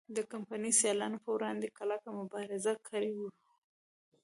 د کمپنۍ سیالانو پر وړاندې کلکه مبارزه کړې وه.